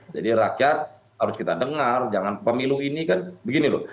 jadi rakyat harus kita dengar jangan pemilu ini kan begini loh